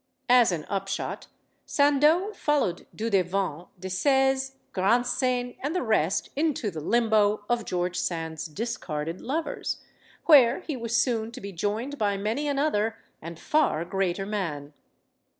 As an upshot, Sandeau followed Dudevant, de Seze, Grandsaigne, and the rest into the limbo of George Sand's discarded lovers; where he was soon to be joined by many another and far greater man.